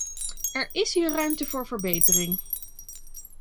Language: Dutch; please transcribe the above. Er is hier ruimte voor verbetering.